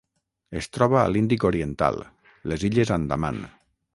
Es troba a l'Índic oriental: les Illes Andaman.